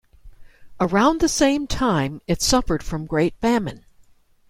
Around the same time it suffered from great famine.